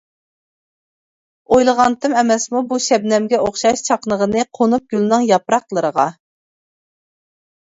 ئويلىغانتىم، ئەمەسمۇ بۇ شەبنەمگە ئوخشاش چاقنىغىنى قونۇپ گۈلنىڭ ياپراقلىرىغا.